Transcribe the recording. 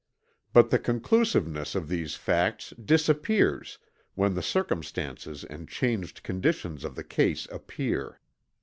But the conclusiveness of these facts disappears when the circumstances and changed conditions of the case appear.